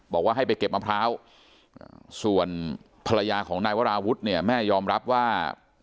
บอกว่าให้ไปเก็บมะพร้าวส่วนภรรยาของนายวราวุฒิเนี่ยแม่ยอมรับว่า